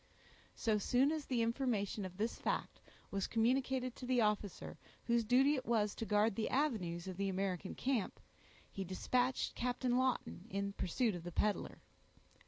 So soon as the information of this fact was communicated to the officer whose duty it was to guard the avenues of the American camp, he dispatched Captain Lawton in pursuit of the peddler.